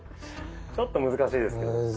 ちょっと難しいですけど。